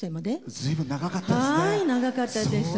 ずいぶん長かったですね。